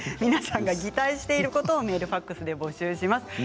皆さんが擬態していることをメール、ファックスで募集します。